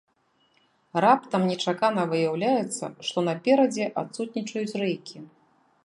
Раптам нечакана выяўляецца, што наперадзе адсутнічаюць рэйкі.